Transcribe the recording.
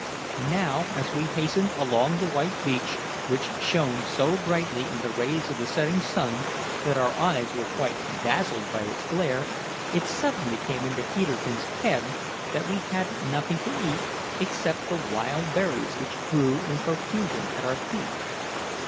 Now as we hastened along the white beach, which shone so brightly in the rays of the setting sun that our eyes were quite dazzled by its glare, it suddenly came into Peterkin's head that we had nothing to eat except the wild berries which grew in profusion at our feet.